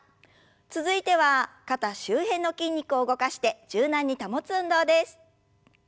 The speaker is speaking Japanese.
続いては肩周辺の筋肉を動かして柔軟に保つ運動です。